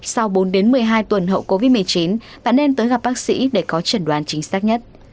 sau bốn đến một mươi hai tuần hậu covid một mươi chín bạn nên tới gặp bác sĩ để có trần đoán chính xác nhất